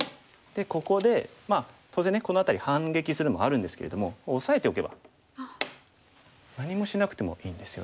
ここでまあ当然ねこの辺り反撃するのもあるんですけれどもオサえておけば何もしなくてもいいんですよね。